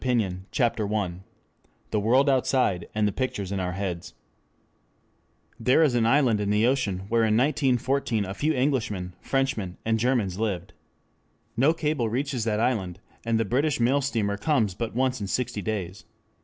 INTRODUCTION THE WORLD OUTSIDE AND THE PICTURES IN OUR HEADS There is an island in the ocean where in 1914 a few Englishmen, Frenchmen, and Germans lived. No cable reaches that island, and the British mail steamer comes but once in sixty days.